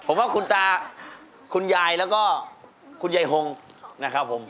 ผมว่าคุณตาคุณยายแล้วก็คุณยายหงนะครับผม